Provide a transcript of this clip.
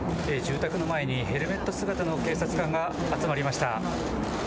住宅の前にヘルメット姿の警察官が集まりました。